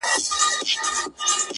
شپه تیاره وه ژر نیهام ځانته تنها سو-